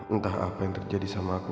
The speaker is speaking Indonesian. entah apa yang terjadi sama aku